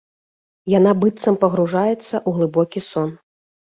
Яна быццам пагружаецца ў глыбокі сон.